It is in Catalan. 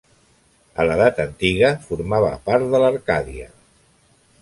A l'edat antiga, formava part de l'Arcàdia.